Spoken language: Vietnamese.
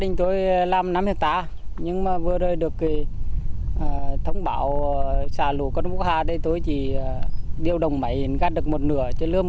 hàng trăm hectare lúa